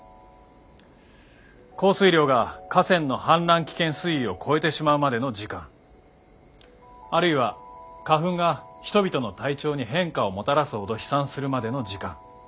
降水量が河川の氾濫危険水位を超えてしまうまでの時間あるいは花粉が人々の体調に変化をもたらすほど飛散するまでの時間。